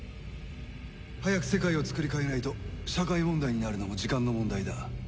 早く世界をつくり変えないと社会問題になるのも時間の問題だ。